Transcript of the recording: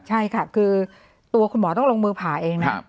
ใช่ค่ะคือตัวคุณหมอต้องลงมือผ่าเองนะ